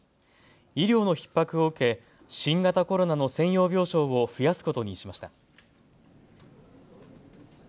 医療のひっ迫を受け新型コロナの専用病床を増やすことにしました。